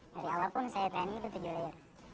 dari awal pun saya training itu tujuh layer